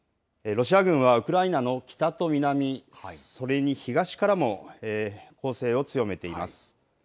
ロシア軍はウクライナの北と南、それに東からも攻勢を強めています。